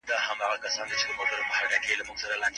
نړيوال سازمانونه به د هيوادونو اړيکي څاري.